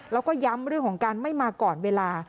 แล้วก็ย้ำเรื่องของการไม่มาก่อนเวลา